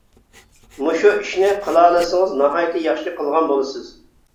مۇشۇ ئىشنى قىلالىسىڭىز ناھايىتى ياخشى قىلغان بولىسىز.